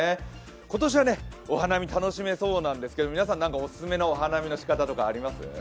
今年はお花見、楽しめそうなんですけど、皆さん、オススメのお花見のしかたとかあります？